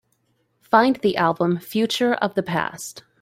Find the album Future of the Past